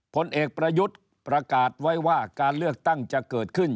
ผลเอกประยุทธ์ประกาศไว้ว่าการเลือกตั้งจะเกิดขึ้น